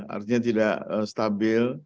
artinya tidak stabil